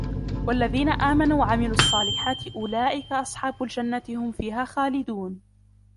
وَالَّذِينَ آمَنُوا وَعَمِلُوا الصَّالِحَاتِ أُولَئِكَ أَصْحَابُ الْجَنَّةِ هُمْ فِيهَا خَالِدُونَ